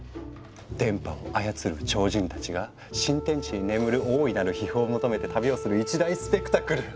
電波を操る超人たちが新天地に眠る大いなる秘宝を求めて旅をする一大スペクタクル。